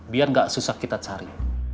biar gak susah kita cari